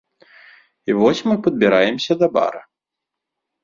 І вось мы падбіраемся да бара.